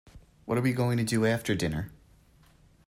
What are we going to do after dinner?